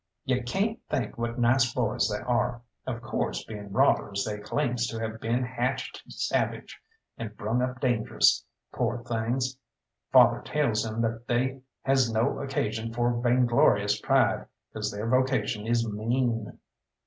"You cayn't think what nice boys they are. Of course, being robbers, they claims to have been hatched savage, and brung up dangerous, pore things. Father tells 'em that they has no occasion for vain glorious pride, 'cause their vocation is mean."